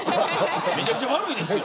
めちゃくちゃ悪いやつですよ。